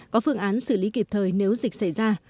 có phương án xử lý kịp thời nếu dịch xảy ra